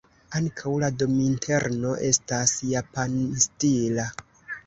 Ankaŭ la dominterno estas japanstila.